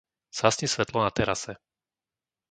Zhasni svetlo na terase.